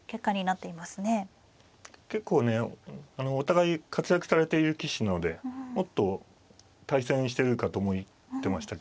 結構ねお互い活躍されている棋士なのでもっと対戦してるかと思ってましたけどね。